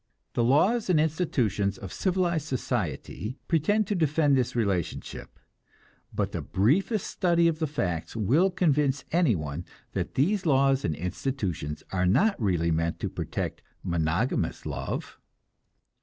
The laws and institutions of civilized society pretend to defend this relationship, but the briefest study of the facts will convince anyone that these laws and institutions are not really meant to protect monogamous love.